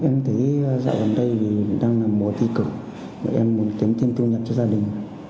em thấy dạo gần đây thì đang là mùa ti cực em muốn kiếm thêm thu nhập cho gia đình